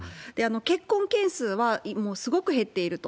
結婚件数はもうすごく減っていると。